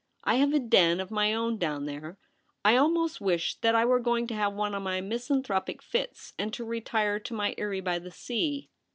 I have a den of my own down there. I almost wish that I were going to have one of my misanthropic fits and to retire to my eyry by the sea.'